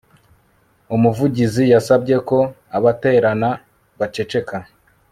Umuvugizi yasabye ko abaterana baceceka